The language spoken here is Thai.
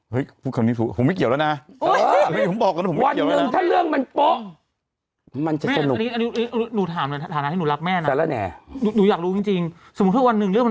พูดคำนี้ผมไม่เกี่ยวแล้วนะ